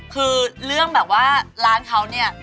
คือเรื่องแบบว่าร้านเขาเนี่ย